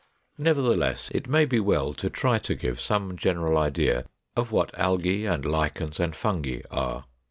] 504. Nevertheless, it may be well to try to give some general idea of what Algæ and Lichens and Fungi are.